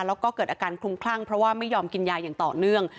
แล้วก็เกิดอาการคลุมคลั่งเพราะว่าไม่ยอมกินยาอย่างต่อเนื่อง